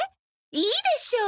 いいでしょう！